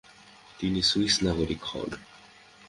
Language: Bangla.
তিনি সুইস নাগরিক হন।